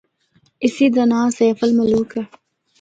اس دا ناں سیف الملوک اے۔